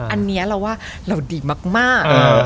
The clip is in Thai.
อันนี้เราว่าเราดีมาก